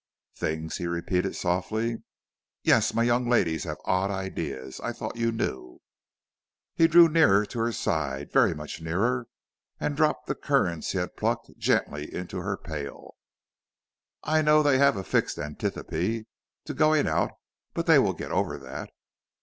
"Things?" he repeated softly. "Yes, my young ladies have odd ideas; I thought you knew." He drew nearer to her side, very much nearer, and dropped the currants he had plucked gently into her pail. "I know they have a fixed antipathy to going out, but they will get over that."